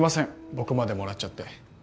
僕までもらっちゃって。